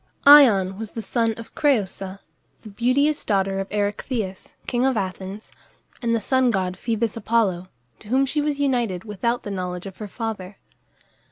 Ion was the son of Crëusa (the beauteous daughter of Erechtheus, king of Athens) and the sun god Phoebus Apollo, to whom she was united without the knowledge of her father.